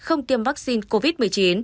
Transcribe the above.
ông tiêm vaccine covid một mươi chín